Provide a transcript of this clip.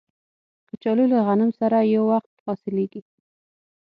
کچالو له غنم سره یو وخت حاصلیږي